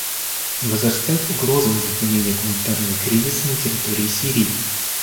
Возрастает угроза возникновения гуманитарного кризиса на территории Сирии.